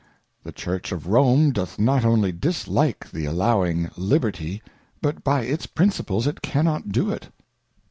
The Church of Rome doth not only dislike Jhe ?J;]2^j[^gLiberty, but by its Principles it cannot do it.